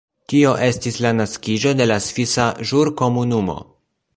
Tio estis la naskiĝo de la Svisa Ĵurkomunumo.